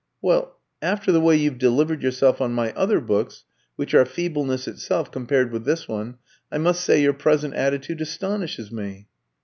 "Well, after the way you've delivered yourself on my other books, which are feebleness itself compared with this one, I must say your present attitude astonishes me."